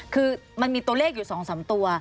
คือมันมีตัวเลขอยู่๒๓ตัว